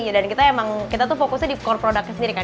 dan kita emang kita tuh fokusnya di core product sendiri kan